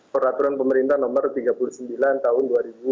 peraturan pemerintah nomor tiga puluh sembilan tahun dua ribu dua puluh